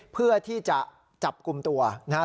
เพื่อที่จะจับกลุ่มตัวนะครับ